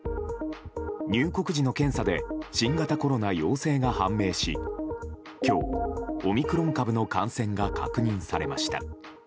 入国時の検査で新型コロナ陽性が判明し今日、オミクロン株の感染が確認されました。